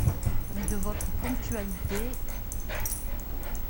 Mais de votre ponctualité…